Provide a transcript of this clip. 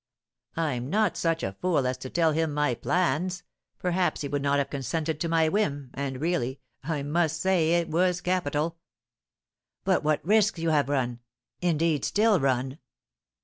"I'm not such a fool as to tell him my plans; perhaps he would not have consented to my whim, and, really, I must say it was capital." "But what risks you have run, indeed, still run."